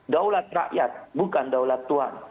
daulat rakyat bukan daulat tuhan